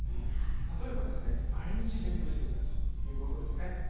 例えばですね、毎日勉強をしているということですね。